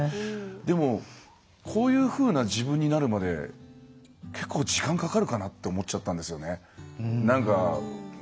でも、こういうふうな自分になるまで結構、時間かかるかなって思っちゃったんですよね。